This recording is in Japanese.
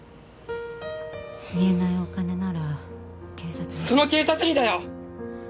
言えないお金なら警察にその警察にだよ！